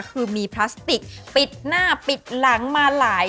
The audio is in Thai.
คือมีพลาสติกปิดหน้าปิดหลังมาหลาย